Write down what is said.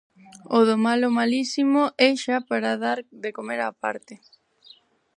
O do malo malísimo é xa para dar de comer aparte.